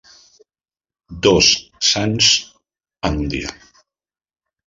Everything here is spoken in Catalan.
Dos sants en un dia.